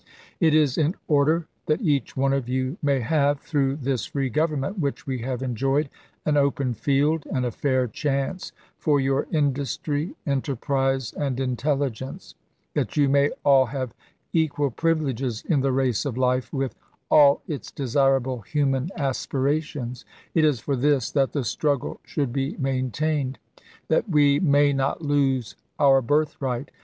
It is in order that each one of you may have, through this free government which we have en joyed, an open field and a fair chance for your in dustry, enterprise, and intelligence — that you may all have equal privileges in the race of life with all its desirable human aspirations — it is for this that the struggle should be maintained, that we 35G ABKAHAM LINCOLN chap. xvi. may not lose our birthright.